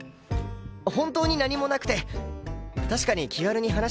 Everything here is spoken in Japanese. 本当に何もなくて確かに気軽に話はしますけど。